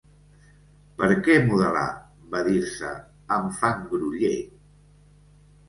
Per què modelar- va dir-se -amb fang groller